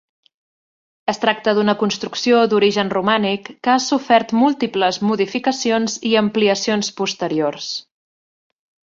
Es tracta d'una construcció d'origen romànic, que ha sofert múltiples modificacions i ampliacions posteriors.